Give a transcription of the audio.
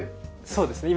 そうですね。